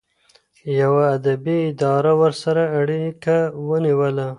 یوه ادبي اداره ورسره اړیکه ونیوله.